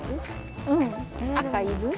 うん赤いる？